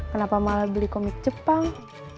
kenapa malah beli komik jepang